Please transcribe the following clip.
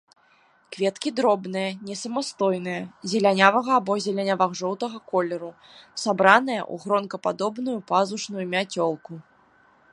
Кветкі дробныя, несамастойныя, зелянявага або зелянява-жоўтага колеру, сабраныя ў гронкападобную пазушную мяцёлку.